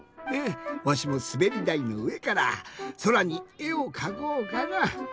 わしもすべりだいのうえからそらにえをかこうかな。